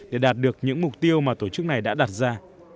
để đạt được những mục tiêu mà tổ chức này đã đặt ra